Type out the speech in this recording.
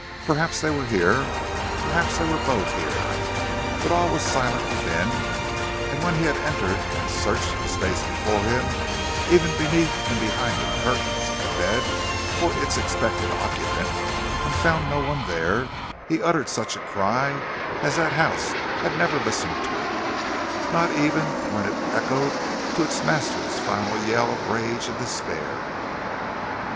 Perhaps they were here, perhaps they were both here. But all was silent within, and when he had entered and searched the space before him, even beneath and behind the curtains of the bed for its expected occupant, and found no one there, he uttered such a cry as that house had never listened to, not even when it echoed to its master's final yell of rage and despair.